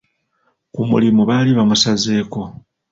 Ku mulimu baali bamusazeeko.